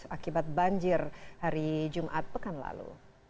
akibat banjir hari jumat pekan lalu